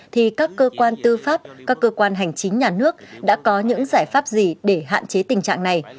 thì các cơ quan tư pháp các cơ quan hành chính nhà nước đã có những giải pháp gì để hạn chế tình trạng này